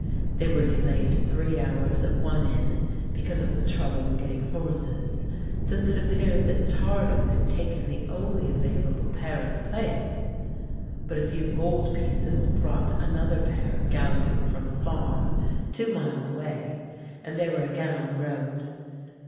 They were delayed three hours at one inn because of the trouble in getting horses, since it appeared that Tardif had taken the only available pair in the place; but a few gold pieces brought another pair galloping from a farm two miles away, and they were again on the road.